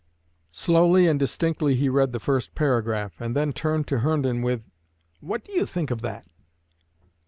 Slowly and distinctly he read the first paragraph, and then turned to Herndon with, "What do you think of that?"